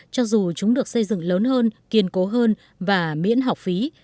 cho dù chúng được xây dựng lớn hơn kiên cố hơn và miễn học phí